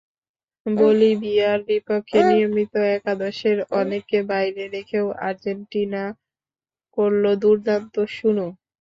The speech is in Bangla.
বলিভিয়ার বিপক্ষে নিয়মিত একাদশের অনেককে বাইরে রেখেও আর্জেন্টিনা করল দুর্দান্ত শুরু।